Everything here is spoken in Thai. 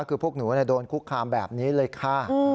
คือพวกหนูโดนคุกคามแบบนี้เลยค่ะ